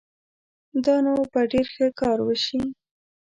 دا نو به ډېر ښه کار وشي